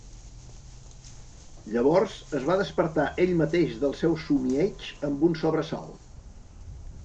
Llavors es va despertar ell mateix del seu somieig amb un sobresalt.